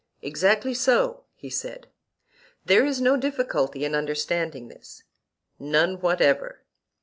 Exactly so, he said. There is no difficulty in understanding this. None whatever.